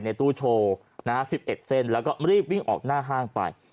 ตู้โชว์๑๑เส้นแล้วก็รีบวิ่งออกหน้าห้างไป